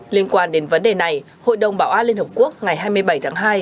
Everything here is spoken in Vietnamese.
liên quan đến vấn đề này hội đồng bảo an liên hợp quốc ngày hai mươi bảy tháng hai